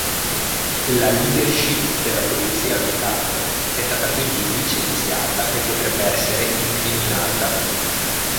La leadership della polizia locale è stata quindi licenziata e potrebbe essere incriminata.